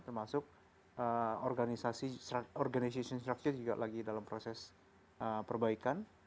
termasuk organization instructure juga lagi dalam proses perbaikan